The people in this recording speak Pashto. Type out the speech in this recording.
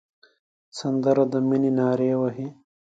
سندره د مینې نارې وهي